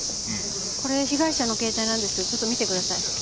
これ被害者の携帯なんですけどちょっと見てください。